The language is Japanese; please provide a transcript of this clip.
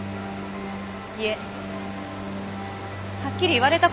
いえはっきり言われた事もあります。